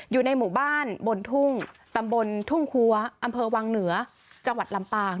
อยู่ในหมู่บ้านบนทุ่งตำบลทุ่งคัวอำเภอวังเหนือจังหวัดลำปาง